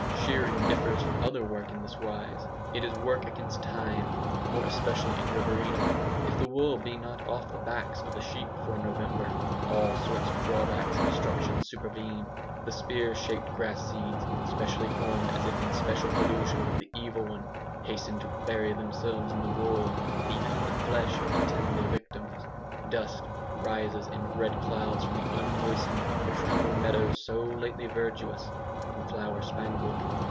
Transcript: Shearing differs from other work in this wise: it is work against time, more especially in Riverina. If the wool be not off the backs of the sheep before November, all sorts of draw backs and destructions supervene. The spear shaped grass seeds, specially formed as if in special collusion with the Evil One, hasten to bury themselves in the wool, and even in the flesh of the tender victims. Dust rises in red clouds from the unmoistened, betrampled meadows so lately verdurous and flower spangled.